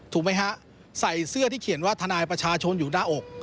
ถูกไหมฮะใส่เสื้อที่เขียนว่าทนายประชาชนอยู่หน้าอก